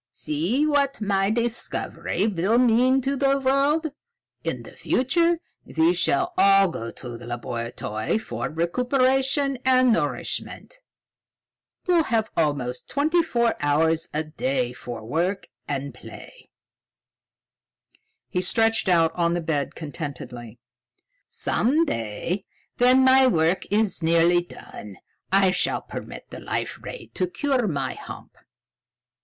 "See what my discovery will mean to the world! In the future we shall all go to the laboratory for recuperation and nourishment. We'll have almost twenty four hours a day for work and play." He stretched out on the bed contentedly. "Some day, when my work is nearly done, I shall permit the Life Ray to cure my hump."